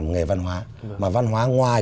nghề văn hóa mà văn hóa ngoài